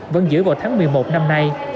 vẫn giữ vào tháng một mươi một năm nay